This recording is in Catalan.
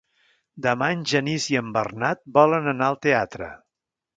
Demà en Genís i en Bernat volen anar al teatre.